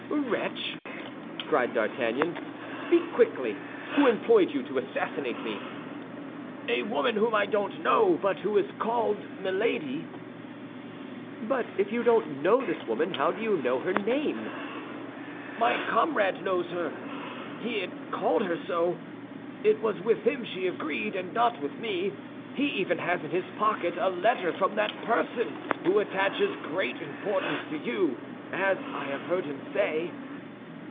"Wretch," cried D'Artagnan, "speak quickly! Who employed you to assassinate me?" "A woman whom I don't know, but who is called Milady." "But if you don't know this woman, how do you know her name?" "My comrade knows her, and called her so. It was with him she agreed, and not with me; he even has in his pocket a letter from that person, who attaches great importance to you, as I have heard him say."